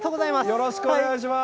よろしくお願いします。